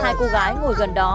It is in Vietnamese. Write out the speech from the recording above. hai cô gái ngồi gần đó